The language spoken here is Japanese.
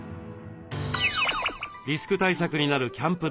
リスク対策になるキャンプ